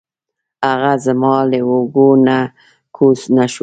هغه زما له اوږو نه کوز نه شو.